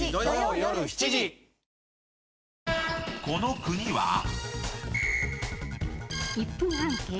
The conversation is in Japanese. ［この国は？］